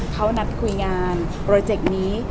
เขานัดคุยงานโปรเจกต์นี้